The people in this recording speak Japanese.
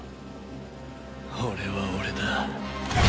俺は俺だ。